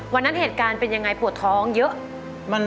วันนั้นเหตุการณ์เป็นยังไงปวดท้องเยอะ